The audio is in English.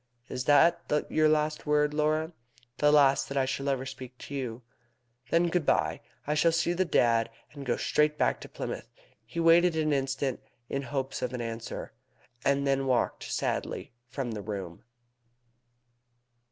"Is that your last word, Laura?" "The last that I shall ever speak to you." "Then, good bye. I shall see the Dad, and go straight back to Plymouth." He waited an instant, in hopes of an answer, and then walked sadly from the room.